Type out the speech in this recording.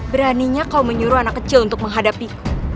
beraninya kau menyuruh anak kecil untuk menghadapiku